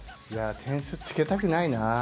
点数、つけたくないな。